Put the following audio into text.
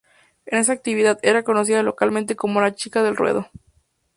En esa actividad era conocida localmente como "La Chica del Ruedo".